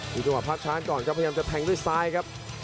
จังหวะภาพช้านก่อนครับพยายามจะแทงด้วยซ้ายครับ